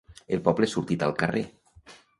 El poble ha sortit al carrer!